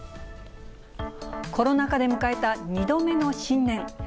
コロナ禍で迎えた２度目の新年。